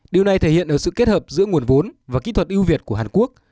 điều này thể hiện ở sự kết hợp giữa nguồn vốn và kỹ thuật ưu việt của hàn quốc